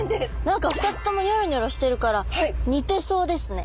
何か２つともニョロニョロしてるから似てそうですね。